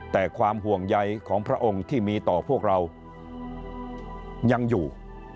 แต่ความห่วงใยของพระองค์ที่มีต่อพวกเรายังอยู่